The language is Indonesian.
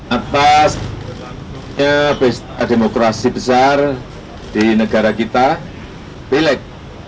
atas demokrasi besar di negara kita pilek